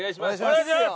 お願いします！